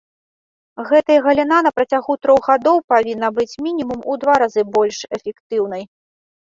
Гэтая галіна на працягу трох гадоў павінна быць мінімум у два разы больш эфектыўнай.